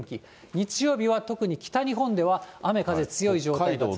日曜日は特に北日本では雨風強い状態が続きます。